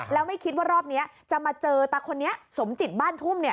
แล้วไม่คิดว่ารอบนี้จะมาเจอตาคนนี้สมจิตบ้านทุ่มเนี่ย